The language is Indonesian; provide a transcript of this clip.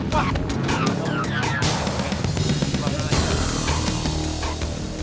bang jalan jalan